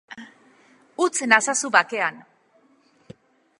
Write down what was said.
Utz nazazu bakean.